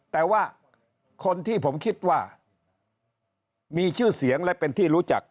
แต่ว่าคนที่ผมคิดว่ามีชื่อเสียงและเป็นที่รู้จัก